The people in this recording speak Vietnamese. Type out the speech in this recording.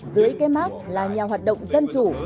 dưới cái mắt là nhà hoạt động dân chủ